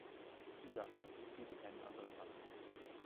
Sie sagt ihm, es gebe keinen anderen Mann.